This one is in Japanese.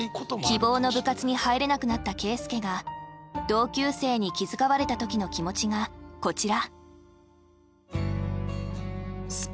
希望の部活に入れなくなった圭祐が同級生に気遣われたときの気持ちがこちら。